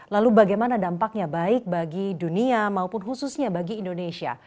lalu bagaimana dampaknya baik bagi dunia maupun khususnya bagi indonesia